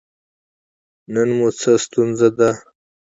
نن مو څه ستونزه ده؟